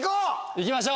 いきましょう！